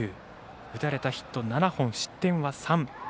打たれたヒット７本、失点は３。